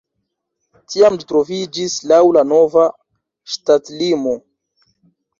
Tiam ĝi troviĝis laŭ la nova ŝtatlimo.